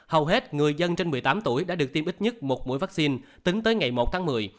hầu hết người dân trên một mươi tám tuổi đã được tiêm ít nhất một mũi vaccine tính tới ngày một tháng một mươi